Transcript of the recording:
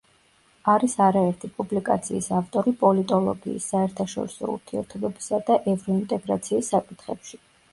არის არაერთი პუბლიკაციის ავტორი პოლიტოლოგიის, საერთაშორისო ურთიერთობებისა და ევროინტეგრაციის საკითხებში.